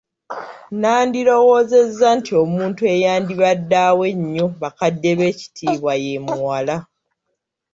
Nandirowoozezza nti omuntu eyandibadde awa ennyo bakadde be ekitiibwa ye muwala.